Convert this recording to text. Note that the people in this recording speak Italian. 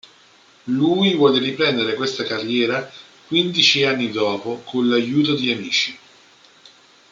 Lui vuole riprendere questa carriera quindici anni dopo con l'aiuto di amici.